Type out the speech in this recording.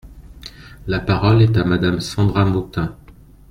La parole est à Madame Cendra Motin.